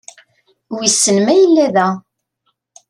Wissen ma yella da?